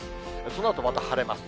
そのあとまた晴れます。